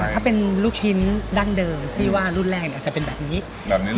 ถ้าเป็นลูกชิ้นดั้งเดิมที่ว่ารุ่นแรกจะเป็นแบบนี้เลย